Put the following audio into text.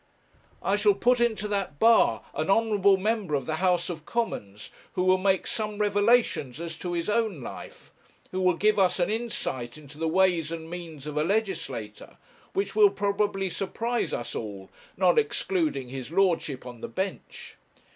I shall put into that bar an honourable member of the House of Commons, who will make some revelations as to his own life, who will give us an insight into the ways and means of a legislator, which will probably surprise us all, not excluding his lordship on the bench.